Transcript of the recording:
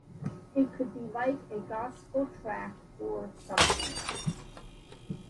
It could be like a gospel track or something.